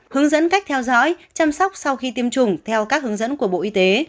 hướng dẫn cách theo dõi chăm sóc sau khi tiêm chủng theo các hướng dẫn của bộ y tế